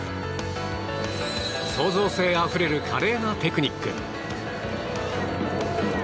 創造性あふれる華麗なテクニック。